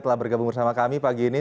telah bergabung bersama kami pagi ini